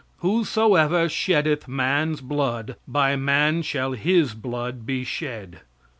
Whosoever sheddeth man's blood, by man shall his blood be shed.